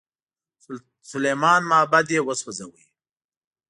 د سلیمان معبد یې وسوځاوه.